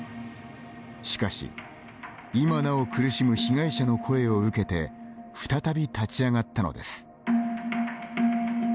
しかし、今なお苦しむ被害者の声を受けて再び立ち上がったのです。